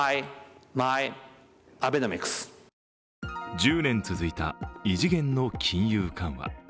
１０年続いた異次元の金融緩和。